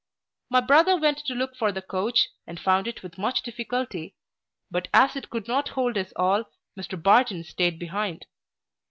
My brother went to look for the coach, and found it with much difficulty; but as it could not hold us all, Mr Barton stayed behind.